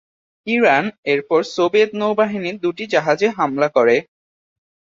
Iran এরপর Soviet নৌবাহিনীর দু'টি জাহাজে হামলা করে।